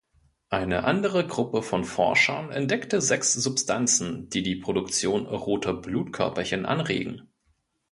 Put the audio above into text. Eine andere Gruppe von Forschern, entdeckte sechs Substanzen, die die Produktion roter Blutkörperchen anregen.